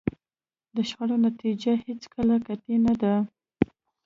د شخړو نتیجه هېڅکله قطعي نه ده.